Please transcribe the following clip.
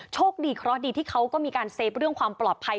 โชคดีเคราะห์ดีที่เขาก็มีการเซฟเรื่องความปลอดภัย